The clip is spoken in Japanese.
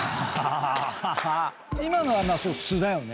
今のは素だよね。